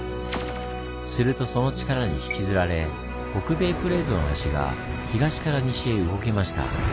するとその力に引きずられ北米プレートの端が東から西へ動きました。